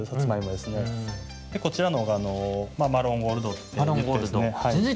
でこちらのほうが「マロンゴールド」っていってですね。